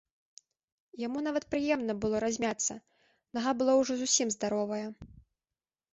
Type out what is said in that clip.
Яму нават прыемна было размяцца, нага была ўжо зусім здаровая.